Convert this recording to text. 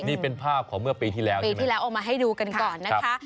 นี่เป็นภาพของเมื่อปีที่แล้วปีที่แล้วเอามาให้ดูกันก่อนนะคะ